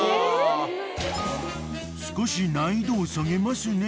［少し難易度を下げますね